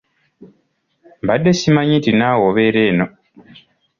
Mbadde simanyi nti naawe obeera eno.